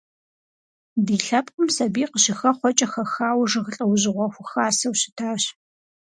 Ди лъэпкъым сабий къыщыхэхъуэкӀэ хэхауэ жыг лӀэужьыгъуэ хухасэу щытащ.